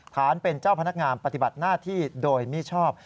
ฐานเป็นเจ้าพนักงานปฏิบัติหน้าที่โดยมิชอบ